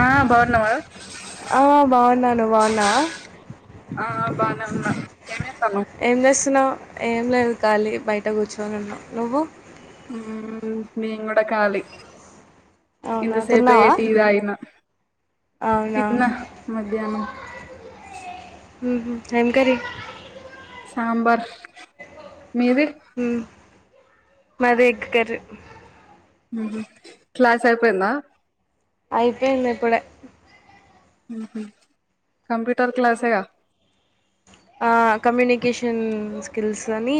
ఆ బాగున్నావా ఆ బాగున్నాను నువ్ బాగున్నావా ఆ బానే ఉన్నా ఏం జేత్తన్నావ్ ఏం చేస్తున్నావు ఏం లేదు ఖాళీ బయట కూర్చొని ఉన్నా నువ్వు ఉమ్ మీము కూడా ఖాళీ ఇ అవునా సేప ఏ తిన్నావా టీ తాగిన అవునా తిన్న మధ్యాహ్నం ఉహు ఏం కర్రీ సాంబార్ మీది మ్మ్ మాది ఎగ్ కర్రీ క్లాస్ అయిపోయింద అయిపోయింది ఇప్పుడే కంప్యూటర్ క్లాస్ ఎగా ఆ కమ్యూనికేషన్ స్కిల్స్ అని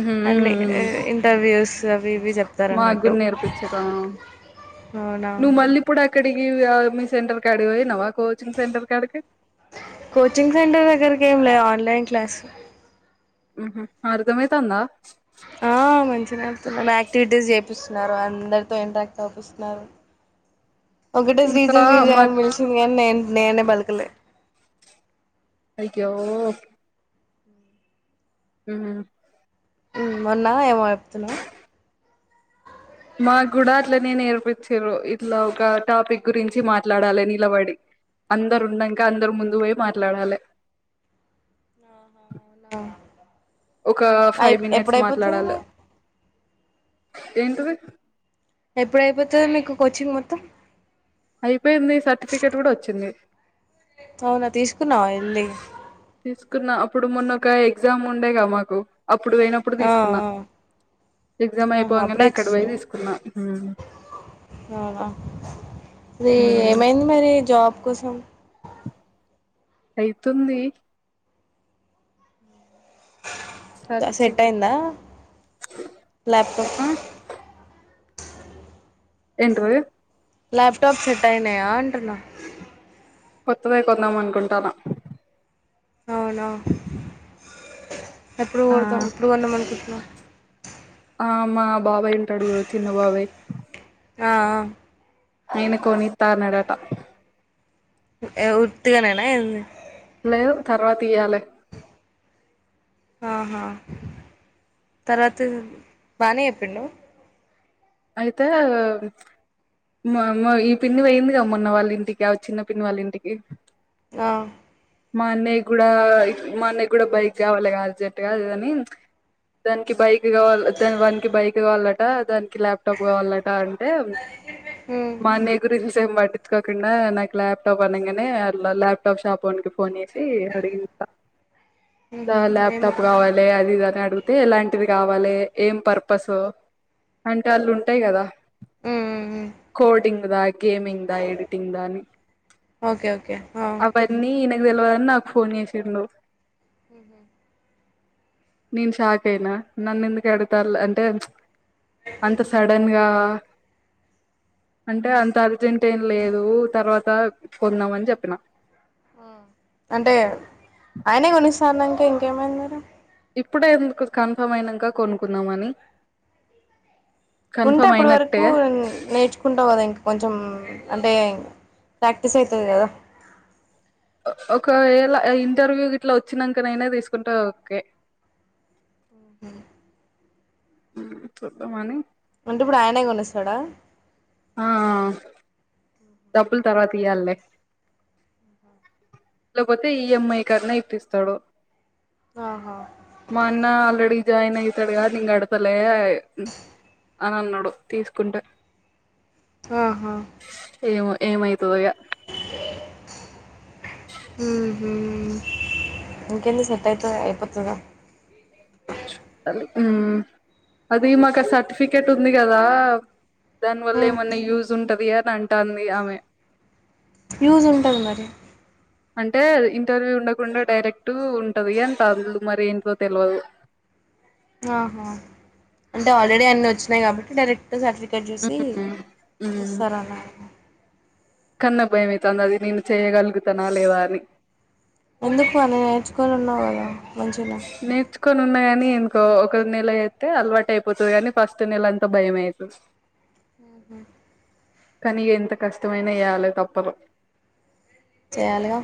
మ్మ్ అన్ని ఇంటర్వ్యూస్ అవి ఇవి చెప్తారన్నట్టు మాగ్గురానేర్పించరా అవునా నువ్వు మళ్ళీప్పు అక్కడికి మీ సెంటర్ కాడికి పోయినం కోచింగ్ సెంటర్ దగర కేం రా ఆన్లైన్ క్లాస్ అర్దమైతందా ఆ మంచిగానే అర్థం అవ్తుంది యాక్టివిటీస్ చేపిస్తున్నారు అందరితో ఇంట్రాక్ట్ అవుపిస్తున్నారు ఒకటే శ్రీజ ఇంకా శ్రీజ మా అని పిలిసింది కానీ నే నేనే బలకలే అయ్యో ఉం మొన్నా ఏమో చెపుతున్నావు మా కూడా అట్లనే నేర్పించారు ఇట్లా ఒక టాపిక్ గురించి మాట్లాడాలే నిలబడి అందరు ఉన్నాక అందరు ముందు పోయి మాట్లాడాలి అవునా ఒక ఫైవ్ మినిట్స్ మాట్లాడాలి మరి ఏంటిది ఎప్పుడయిపోతది మీకు కోచింగ్ మొత్తం అయిపోయింది సర్టిఫికెట్ కూడా వచ్చింది అవునా తీ తీసుకున్న అప్పుడు మొన్న ఒక ఎగ్జామ్ ఉండేగా మాకు అప్పుడు వెయినప్పుడు ఆ తీసుకున్నా ఆ ఎగ్జామ్ ఆహా అప్పుడే అయిపోవంగనే అక్కడ పోయి ఇచ్చేసారా తీసుకున్నా అవునా అది ఏమైంది మరి జాబ్ కోసం అయితుంది సెట్ సర్చింగ్ అయిందా ల్యాప్టాప్ ఏంటిది ల్యాప్టాప్ సెట్ అయినాయా అంటున్నా కొత్తదే కొందామనుకుంటాన అవునా ఎప్పుడు కోడదాం ఎప్పుడు కొందాం అనుకుంటున్నావు ఆ మా బాబాయి ఉంటాడు చూడు చిన్న బాబాయ్ ఆ ఆ ఆయన కొనీతా అన్నాడట ఏ ఉర్తుగానేనా ఏంది లేదు తర్వాత ఇయాలే ఆహా ఆ తర్వాత బానే చెప్పిండు ఐతే మా మా ఈ పిన్ని పొయ్యింది గా మొన్న వాళ్ళింటికి ఆ చిన్న పిన్ని వాళ్ళ ఇంటికి ఆ మా అన్నయ్య కూడా మా అన్నయ్య కూడా బైక్ కావాలిగా అర్జెంట్ గా అది ఇది అని దానికి బైక్ కావాల దాన్ వానికి బైక్ కావాలట దాని కి ల్యాప్టాప్ కావాలట అంటే ఉమ్ మా అన్నయ్య కు [unintelligible] సేం పట్టిచ్చుకోకుండా నాకు ల్యాప్టాప్ అనంగానే అలా ల్యాప్టాప్ షాప్ వోనికి ఫోన్ చేస్ ఉహు ట్లా ఏమో ల్యాప్టాప్ కావాలి అదిది అని అడిగుతే ఎలాంటిది కావాలె ఏం పర్పసు అంటే వాళ్ళు ఉంటాయి కదా ఉమ్ ఉమ్ ఉమ్ కోటింగ్ రాయ్ గేమింగ్ దా ఎడిటింగ్ దా అని ఓకే ఓకే ఆ అవన్నీ నే దెల్వదని నాకు ఫోన్ చేసిండు ఊహూ నేను షాక్ అయినా నన్ను ఎందుకే అడుగుతాల్లు అంటే అంత సడన్ గా అంటే అంత అర్జెంటేం లేదు తర్వాత కొందామని చెప్పినా అంటే ఆయనే కొనిస్తా అన్నాంకే ఇంకేమైంది మీరు ఇప్పుడే ఎందుకు కన్ఫమ్ అయినాంక కొనుక్కుందాం అని ఉంటే కన్ఫర్మ్ అప్పుటి వరకూ అయినట్టే నేర్చుకుంటావు కదా ఇంక్ కొంచెం అంటే ప్రాక్టీస్ ఐతుది గదా ఒకవేళ ఇంటర్వ్యూ గిట్లా వచ్చినంక నైనా తీసుకుంటే ఓకే ఊహూ చూద్దాం అని అంటే ఇప్పుడు ఆయనే కొనిస్తాడా ఆ ఆ డబ్బులు తర్వాత ఇయ్యాలి లే లేకపోతే ఈ ఎం ఐ కన్నా ఇప్పిస్తాడు ఆహా మా అన్న ఆల్రెడీ జాయిన్ అయితాడుగా నేను గడతాలే అని అన్నాడు తీసుకుంటే ఆహా ఏమో ఏమైతదో ఇగ ఊహూ ఇంకేది సెట్ అయితే అయిపోతుదా ఉమ్ అది మాకు ఆ సర్టిఫికెట్ ఉంది గదా దాని వల్ల ఉమ్ ఏమన్నా యూ స్ఉంటది అని అంటాంది ఆమె యూస్ ఉంటది మరి అంటే ఇంటర్వ్యూ ఉండకుండా డైరెక్ట్ ఉంటది అంటాల్లు మరి ఏంటో తెల్వదు అహా అంటే ఆల్రెడీ అన్నీ వచ్చినాయి కాబట్టి డైరె క్ట్ సర్టిఫికెట్ చూసి ఉమ్ ఇస్తారు అనా కానీ నాకు భయమైతాంది అది నేను చెయ్యగలుగుతానా లేవా అని ఎందుకు [inaudible] నేర్చుకోని ఉన్నావు గదా నేర్చుకోని ఉన్నా గానీ ఇంకో ఒక నెల అయితే అలవాటు అయిపోతది కానీ ఫస్ట్ నెల అంతా భయమే అయితది ఆహా కానీ ఎంత కష్టమైనా ఏయ్యాలి తప్పదు చెయ్యాలి గా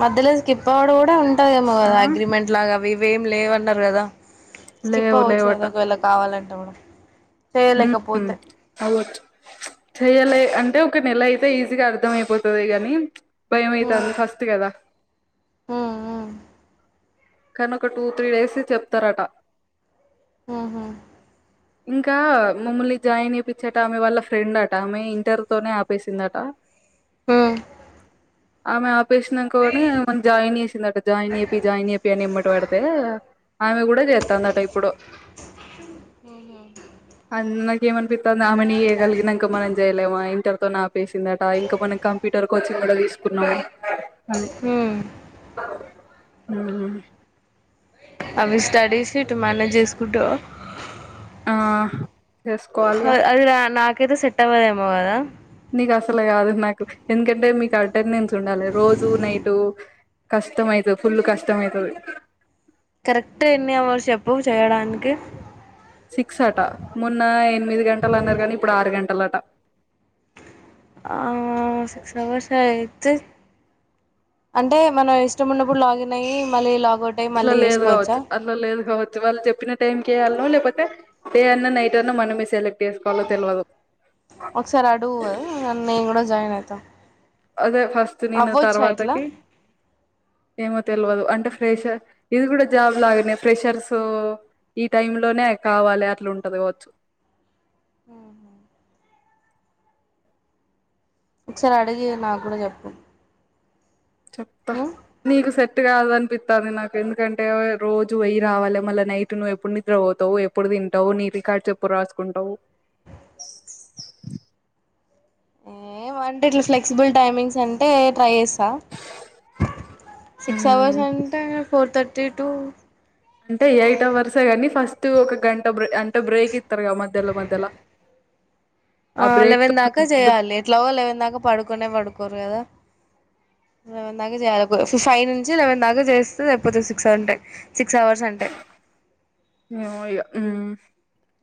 మధ్యలో స్కిప్ అవుడు కూడా ఉంటాదేమో ఆ కదా అగ్రిమెంట్ లాగా అవి ఇవేమి లేవన్నారు కదా స్కిప్ లేవు అవ్వచ్చు కదా లేవట ఒకవేళ కావాలంటే మనం చేయలేకపోతే చెయ్యాలే అంటే ఒక నెల అయితే ఈజీగా అర్థం అయిపోతది గాని భయం అయితాంది ఫస్ట్ కదా ఉమ్ ఉమ్ కానీ ఒక టూ త్రీ డేసె చెప్తారట ఉమ్ హూ ఇంకా మమ్మల్ని జాయిన్ చేపిచ్చేటామె వాళ్ల ఫ్రెండ్ అట ఆమె ఇంటర్ తోనే ఆపేసిందట ఉమ్ ఆమె ఆపేసినంక కూడ ఆమెను జాయిన్ చేసిందిట జాయిన్ చేపియి జాయిన్ చే అని ఎమ్మటి పడితే ఆమె కూడా చేస్తాందట ఇప్పుడు ఆ నాకేమ్ అనిపిత్తాంది ఆమెనే చేయగలిగినంక మనం చేయలేమ ఇంట ర్ తోన ఆపేసిందట ఇంకా మనం కంప్యూటర్ కోచింగ్ కూడా తీసుకున్నాం ఉమ్ ఉమ్ అవి స్టడీస్ ఇటు మానేజ్ చేసుకుంటా ఆ చేసుకోవాలిగా అద్ అది నాకైతే సెట్ అవ్వదేమో కదా నీకు అసలు కాదు నాకు ఎందుకంటే మీకు అటెండెన్స్ ఉండాలి రోజు నైటు కష్టం అయితది ఫుల్ కష్టం అయితది కరెక్ట్ ఎన్ని అవర్సు చెప్పు చేయడానికి సిక్స్ అట మొన్న ఎనిమిది గంటలు అన్నారు కానీ ఇప్పుడు ఆరు గంటలట ఆ సిక్స్ అవర్సే అయితే అంటే మన ఇష్టం ఉన్నప్పుడు లాగిన్ అయ్యి మళ్లీ లాగ్ అట్లా లేదు కావచ్చు అట్లా లేదు కావచ్చు వాళ్లు చెప్పిన టైంకి చేయాల్నో లే కపోతే డే అన్నా నైట్ అన్నా మనమే సెలెక్ట్ చేసుకోవాలో తెలువదు త్త అదే ఫస్ట్ నేను తర్వాతకి ఏమో తెలువదు అంటే ఫ్రెషర్ ఇది కూడా జాబ్ లాగనే ఫ్రెషర్స్ ఈ టైం లోనే కావాలి అట్లా ఉంటది కావచ్చు మ్ హూ ఒకసారి అడిగి నాకు కూడా చెప్పు చెప్తా ఉమ్ నీకు సె ట్ కాదు అనిపిత్తాంది నాకు ఎందుకంటే రోజు వొయ్యి రావాలి మళ్లీ నైట్ నువ్వు ఎప్పుడు నిద్ర పోతావు ఎప్పుడు తిం టావు నీ రికార్డ్స్ ఎప్పుడు రాసుకుంటవు ఏమో అంటే ఇట్లా ఫ్లెక్సిబుల్ టైమింగ్స్ అంటే ట్రై చేస్ స్తా సిక్స్ అవర్స్ అంటే ఫోర్ థర్టీ టూ అంటే ఎయిట్ అవర్సే కాని ఫస్ట్ ఒక గంట బ్రే అం టే బ్రేక్ ఇత్తరుగా మధ్యల మధ్యల ఆ లెవెన్ దాకా చేయాలి ఎట్లాగో లెవెన్ దాకా పడుకునే పడుకోరు కదా ఎలెవెన్ దాకా చేయాలి ఫైవ్ నుంచి లెవెన్ దాకా చేస్తే చెయిపోతే సిక్స్ అంటే సిక్స్ అవర్స్ అంటే మాములుగా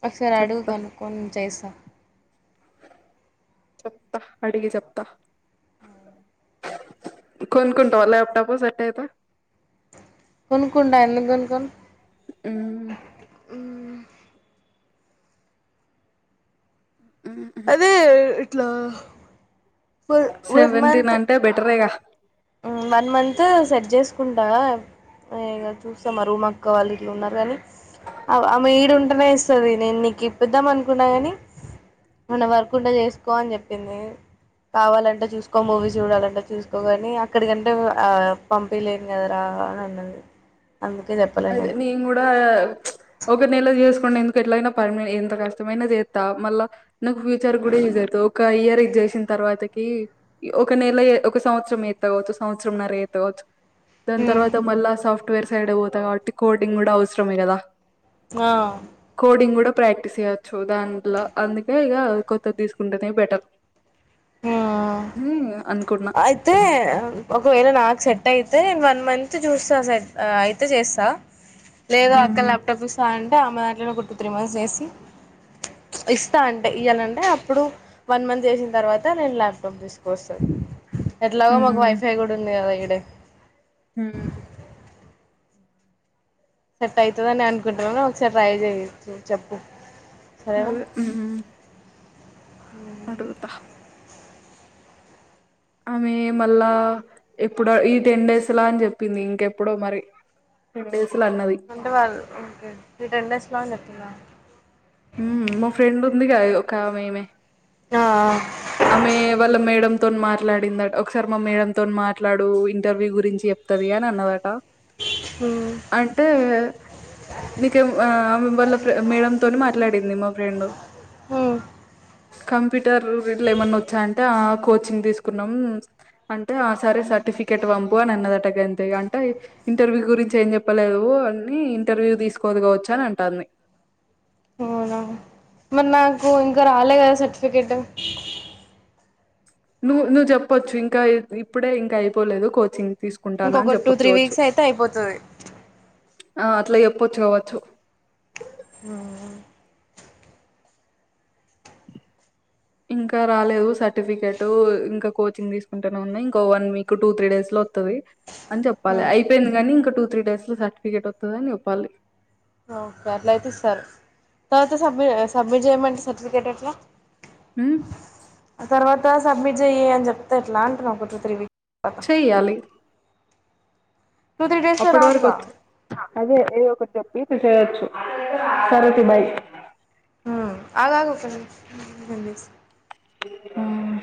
ఒకసారి అడుగు కనుక్కొని చేసా చెప్త అడిగి చెప్త కొనుకుంటావా ల్యాప్టాప్ సెట్ అయితే కొనుకుంట ఎందుకు కొనుకోను మ్ అదే ఇట్లా వన్ సెవెంటీన్ మంత్ అంటే బెటరేగా వన్ మంత్ సెట్ చేసుకుంటా ఇగ చూస్తా మా రూమక్కా వాళ్ళు గిట్ల ఉన్నారు కానీ ఆమె ఏడు అనేస్తది నేను నీకు ఇప్పిద్దాం అనుకున్నా గాని ఏమన్న వర్కుంటే చేసుకో అని చెప్పింది కావాలంటే చూసుకో మూవీస్ చూడాలంటే చూసుకోగాని అక్కడికంటే ఆ పంపియలేను కదా రా అన్నది అందుకే చెప్పలే అదే నీకు నిను కూడా ఒక నెల చేస్ ఎందుకు ఎట్లయిన పర్ ఎంత కష్టమైననా చేత్త మళ్ళ నాకు ఫ్యూచర్ కూడా యజ్ అయి ఒక ఇయర్ చేసిన తర్వాతకి ఒక నెల ఒక సంవత్సరం చేత్త కావచ్చు సంవత్సరం నరచే త్త కావచ్చు దాని తర్వాత మళ్ళా సాఫ్ట్వేర్ సైడే పోతా కాబట్టి కోడింగ్ కూడా అవసరమే కదా అ ప్రాక్టీస్ చేయొచ్చు దాంట్లో అందుకే ఇగ కొత్తది తీసుకుంటేనే బెటర్ ఆ అని అనుకున్నా అయితే ఒకవేళ నాకు సెట్ అయితే నేను వన్ మంత్ చూస్తా సెట్ అయితే చేస్తాను లేదు అక్క హ్మ్ ల్యాప్టాప్ ఇస్తా అంటే అమే దాంట్లోనే ఒక టూ త్రీ మంత్స్ చేసి ఇస్తా అంటే ఇయ్యనంటే అప్పుడు వన్ మంత్ చేసిన తర్వా త నేను ల్యాప్టాప్ తీసుకొస్తాను ఎట్లాగో మాకు వైఫై కూడా ఉంది కదా ఈడే మ్ సట్ అవుతదనే అనుకుంటున్నా ఒకసారి ట్రై చెయొచ్చు చెప్పు సరేనా అదే మ్ అడుగుతా ఆమె మళ్ళా ఎప్పుడో ఈ టెన్ డేస్లా అని చెప్పింది ఇంకెప్పుడో మరి టెన్ డేస్ లా అన్నది అంటే వాళ్ళు ఒకే ఈ టెన్ డేస్ లో అని చెప్తుందా మ్ మా ఫ్రెండ్ ఉంది కద ఒకమే ఈమే ఆ ఆమె వాళ్ళ మేడమ్ తోని మాట్ మాట్లాడిందట ఒకసారి మా మేడడం తోని మాట్లాడు ఇంటర్వ్యూ గురించి చెప్తది అని అన్నదట అ అంటే నీకే ఆ ఆమె వల్ళ మేడం తోని మాట్లాడింది మా ఫ్రెండ్ మ్ కంప్యూటర్ ఏమన్నా వచ్చాంటే ఆ కోచింగ్ తీసుకున్నాం అంటే ఆ సరే సర్టిఫికేట్ పంపు అనిఅం అన్నదటగాంతె అంటే ఇంటర్వ్యూ గురించి ఏం చెప్పలేదు అని ఇంటర్వ్యూ తీసుకోదు కావచ్చు అని అంటాంది అవునా మరి నాకు ఇంకా రాలే కదా సర్టిఫికేట్ నువ్వు నువ్వు చెప్పొచ్చు ఇంకా ఇప్పుడే ఇంకా అయిపోలేదు కోచింగ్ తీసుకుంటాన అని ఇంకొక టూ త్రీ చెప్పచ్చుకవచ్చు వీక్స్ అయితే అయిపోతది ఆ అట్లా చెప్పొచ్చు కావచ్చు ఆ ఇంకా రాలేదు సర్టిఫికెటు ఇంకా కోచింగ్ తీసుకుంటనే ఉన్న ఇంకో one week two three days లో ఒత్తది అని చెప్పాలి అయిపోయింది కాని ఇంకా టూ త్రీ డేస్ లో సర్టిఫికెట్ వత్తది అని చెప్పాలి ఓకే అట్లా అయితే ఇస్తారు తర్వాత సబ్మిట్ ఆ సబ్మిట్ చేయమంటే సర్టిఫికేట్ ఎట్లా ఉమ్ తర్వాత సబ్మిట్ చెయ్యి అని చెప్తేఎట్లా ట్ర ఒక టూ టు త్రీ వీక్ అట్లా చెయ్యాలి అప్పడు వారుకొత్తు అదే ఏదో ఒకటి చెప్పి ప్రిపేర్ చేయొచ్చు సరే తీ బై ఆగాగు ఫర్స్ నేన్ ఒకసారి తీస్ ఆహ్